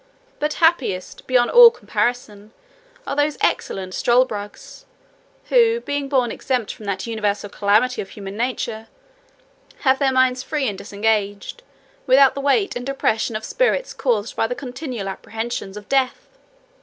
but happiest, beyond all comparison, are those excellent struldbrugs, who, being born exempt from that universal calamity of human nature, have their minds free and disengaged, without the weight and depression of spirits caused by the continual apprehensions of death!"